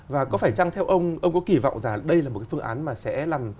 và có phải rằng theo ông ông có kỳ vọng rằng đây là một phương án mà sẽ làm